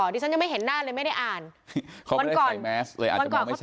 ที่ฉันยังไม่เห็นหน้าเลยไม่ได้อ่านเขาไม่ได้ใส่แมสหรืออาจจะมองไม่ชัด